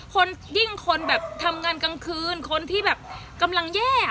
คนยิ่งคนแบบทำงานกลางคืนคนที่แบบกำลังแย่